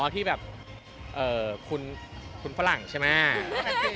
อ๋อที่คุณฝรั่งใช่ไหม